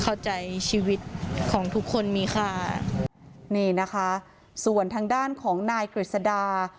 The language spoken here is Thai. เข้าใจชีวิตของทุกคนมีค่านี่นะคะส่วนทางด้านของนายกฤษดา